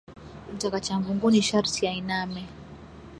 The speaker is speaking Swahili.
Mtaka cha mvunguni sharti ainame.